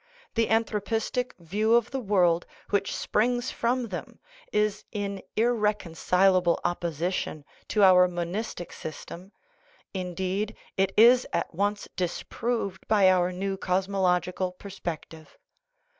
The anthropistic view of the world which springs from them is in irreconcilable opposition to our monistic sys tem ; indeed, it is at once disproved by our new cosmo logical perspective.